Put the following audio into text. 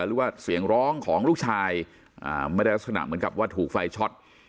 หรือว่าเสียงร้องของลูกชายไม่ได้ลักษณะเหมือนกับว่าถูกไฟช็อต